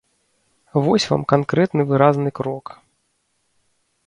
Вось вам канкрэтны выразны крок!